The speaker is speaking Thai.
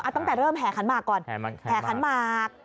ตั้งแต่เริ่มแห่ขันหมากก่อนแห่ขันหมาก